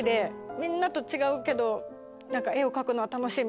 みんなと違うけど絵を描くのは楽しい！みたいな。